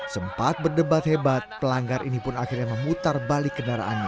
sempat berdebat hebat pelanggar ini pun akhirnya memutar balik kendaraannya